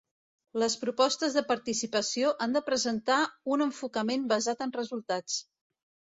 Les propostes de participació han de presentar un enfocament basat en resultats.